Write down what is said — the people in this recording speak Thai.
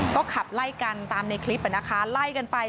ก็ขับไล่กันตามในคลิปนะคะไล่กันไป